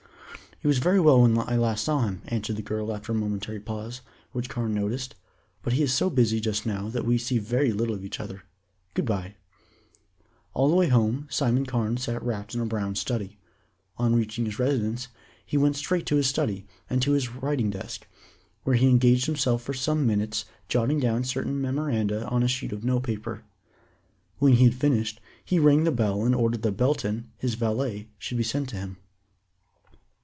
"He was very well when I last saw him," answered the girl after a momentary pause, which Carne noticed, "but he is so busy just now that we see very little of each other. Good bye." All the way home Simon Carne sat wrapped in a brown study. On reaching his residence he went straight to his study, and to his writing desk, where he engaged himself for some minutes jotting down certain memoranda on a sheet of note paper. When he had finished he rang the bell and ordered that Belton, his valet, should be sent to him.